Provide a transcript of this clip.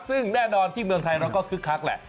ซึ่งแน่นอนที่เมืองไทยเราก็คึกคักแหละ